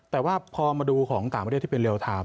แต่ว่าพอมาดูของต่างประเทศที่เป็นเรียลไทม์